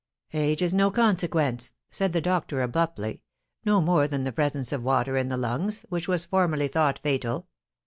"Age is no consequence," said the doctor, abruptly, "no more than the presence of water in the lungs, which was formerly thought fatal.